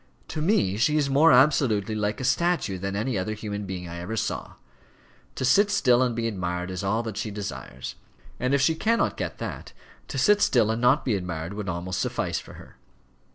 To me she is more absolutely like a statue than any other human being I ever saw. To sit still and be admired is all that she desires; and if she cannot get that, to sit still and not be admired would almost suffice for her.